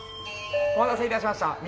お待たせ致しました。